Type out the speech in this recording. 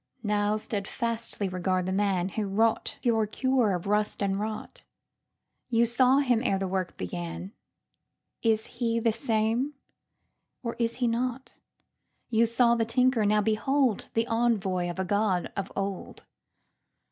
"Now steadfastly regard the manWho wrought your cure of rust and rot! You saw him ere the work began:Is he the same, or is he not? You saw the tinker; now beholdThe Envoy of a God of old."